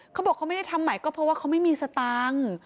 เขาบอกเขาไม่ได้ทำใหม่ก็เพราะว่าเขาไม่มีสตังค์